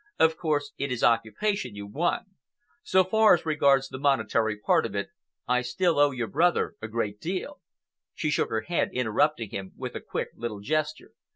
"Of course, it is occupation you want. So far as regards the monetary part of it, I still owe your brother a great deal—" She shook her head, interrupting him with a quick little gesture.